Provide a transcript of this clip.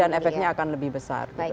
dan efeknya akan lebih besar